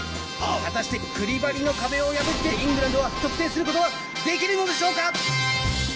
果たしてクリバリの壁を破ってイングランドは、得点することはできるのでしょうか！